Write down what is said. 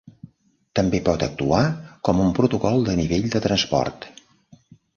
També pot actuar com un protocol de nivell de transport.